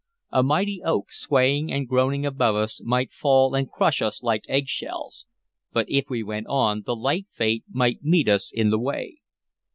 A mighty oak, swaying and groaning above us, might fall and crush us like eggshells; but if we went on, the like fate might meet us in the way.